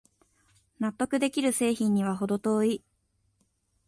納得できる製品にはほど遠い